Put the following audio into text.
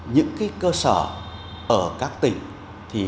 những cơ sở ở các tỉnh